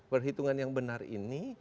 perhitungan yang benar ini